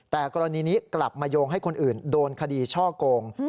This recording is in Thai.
แต่กรณีนี้กลับมาโยงให้คนอื่นโดนคดีช่อกง